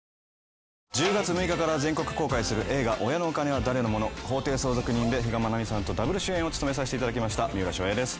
１０月６日から全国公開する映画『親のお金は誰のもの法定相続人』で比嘉愛未さんとダブル主演を務めた三浦翔平です。